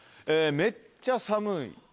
「めっちゃ寒い」